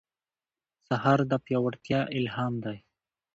سهار د پیاوړتیا الهام دی.